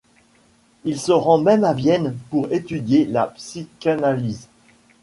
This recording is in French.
Il se rend même à Vienne pour étudier la psychanalyse.